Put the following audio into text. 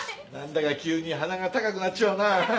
何だか急に鼻が高くなっちまうな。